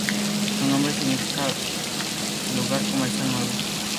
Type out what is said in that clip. Su nombre significa "lugar comercial nuevo".